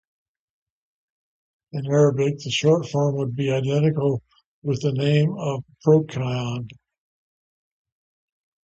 In Arabic, the short form would be identical with the name of Procyon.